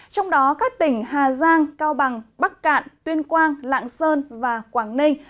trong đó các tỉnh hà giang cao bằng bắc cạn tuyên quang lạng sơn và quảng ninh